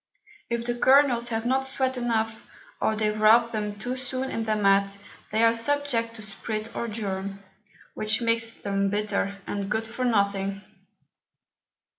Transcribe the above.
If the Kernels have not sweat enough, or they wrap them too soon in the Mat, they are subject to sprit or germe, which makes them bitter, and good for nothing.